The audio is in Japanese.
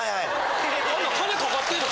あんなん金かかってんの？